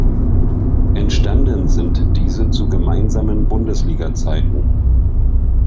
Entstanden sind diese zu gemeinsamen Bundesliga-Zeiten.